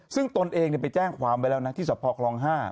ซึ่งตนเองไปแจ้งความไว้แล้วนะที่สภคลอง๕